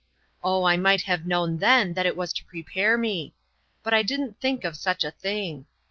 Oh, I might have known then that it was to prepare me ; but I didn't think of such a thing.